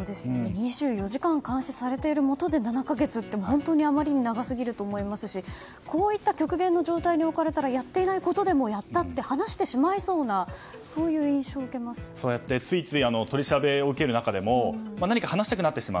２４時間監視されているもとで７か月というのは、本当にあまりに長すぎると思いますしこういった極限の状態に置かれていたらやっていないことでもやったと話してしまいそうなそうやって、ついつい取り調べを受ける中でも何か話したくなってしまう。